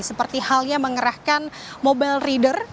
seperti halnya mengerahkan mobile reader